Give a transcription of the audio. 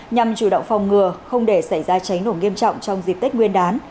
nhằm chủ động phòng ngừa không để xảy ra cháy nổ nghiêm trọng trong dịp tết nguyên đán